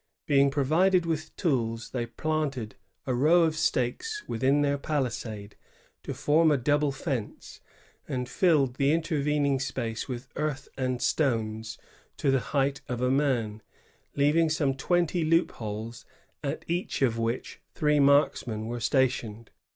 Being provided with tools, they planted a row of stakes 16«0.] THE FORT ATTACKED. 188 within their palisade, to form a double fence, and filled the intervening space with earth and stones to the height of a man, leaving some twenty loop holes, at each of which three marksmen were stationed.